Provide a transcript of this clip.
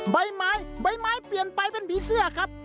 ใบไม้ใบไม้เปลี่ยนไปเป็นผีเสื้อครับ